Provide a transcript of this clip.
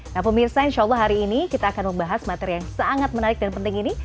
nah pemirsa insya allah hari ini kita akan membahas materi yang sangat menarik dan penting ini